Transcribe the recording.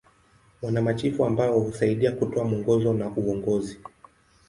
Wana machifu ambao husaidia kutoa mwongozo na uongozi.